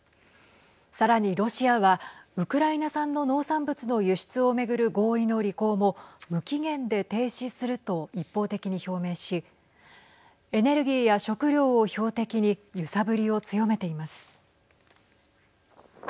さらにロシアはウクライナ産の農産物の輸出を巡る合意の履行も無期限で停止すると一方的に表明しエネルギーや食料を標的に揺さぶりを強めています。